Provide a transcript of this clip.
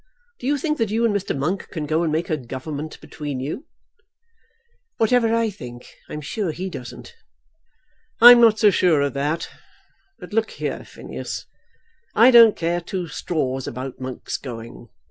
Do you think that you and Mr. Monk can go and make a government between you?" "Whatever I think, I'm sure he doesn't." "I'm not so sure of that. But look here, Phineas, I don't care two straws about Monk's going.